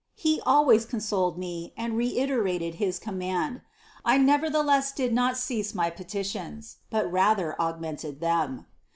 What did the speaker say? He always consoled me and reiterated his command, I nevertheless did not cease my petitions, but rather augmented them.